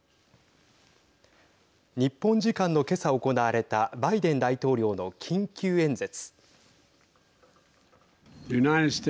日本時間の今朝行われたバイデン大統領の緊急演説。